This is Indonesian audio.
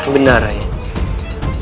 benar ya ibu nanda